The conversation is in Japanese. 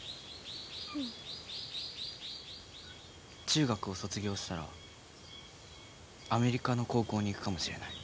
中学を卒業したらアメリカの高校に行くかもしれない。